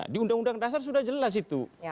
di undang undang dasar sudah jelas itu